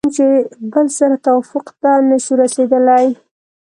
کوم کې چې بل سره توافق ته نشو رسېدلی